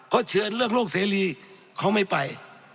เขาเฉือนเรื่องโลกเสรีเขาไม่ไป